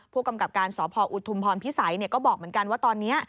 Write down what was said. ผู้กำกับการสพออุทุมพรพิสัยก็บอกเหมือนกันว่าตอนนี้